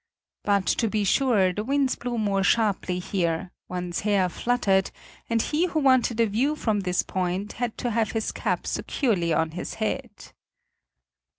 But, to be sure, the winds blew more sharply here; one's hair fluttered, and he who wanted a view from this point had to have his cap securely on his head.